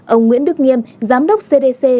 ông nguyễn đức nghiêm giám đốc cdc